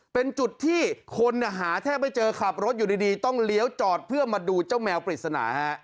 เป็นจุดที่คนหาแทบไม่เจอขับรถอยู่ดีต้องเลี้ยวจอดเพื่อมาดูเจ้าแมวปริศนาฮะ